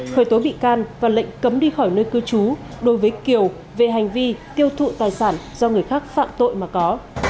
khởi tố bị can và lệnh cấm đi khỏi nơi cư trú đối với kiều về hành vi tiêu thụ tài sản do người khác phạm tội mà có